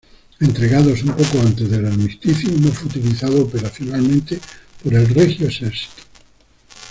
Entregados un poco antes del armisticio no fue utilizado operacionalmente por el Regio Esercito.